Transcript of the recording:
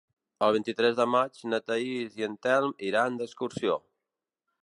El vint-i-tres de maig na Thaís i en Telm iran d'excursió.